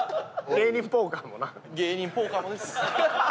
「芸人ポーカー」もです。